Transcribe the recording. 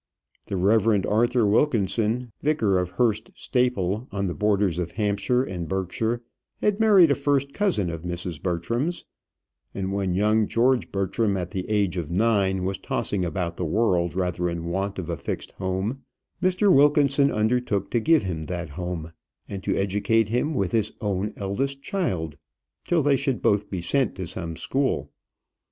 The Rev. Arthur Wilkinson, vicar of Hurst Staple, on the borders of Hampshire and Berkshire, had married a first cousin of Mrs. Bertram's; and when young George Bertram, at the age of nine, was tossing about the world rather in want of a fixed home, Mr. Wilkinson undertook to give him that home, and to educate him with his own eldest child till they should both be sent to some school.